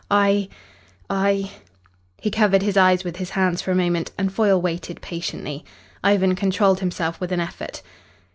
I I " He covered his eyes with his hands for a moment, and Foyle waited patiently. Ivan controlled himself with an effort.